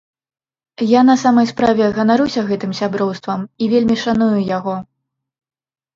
Я на самай справе ганаруся гэтым сяброўствам і вельмі шаную яго.